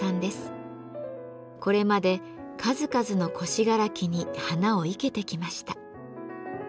これまで数々の古信楽に花を生けてきました。